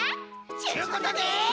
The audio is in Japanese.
ちゅうことで！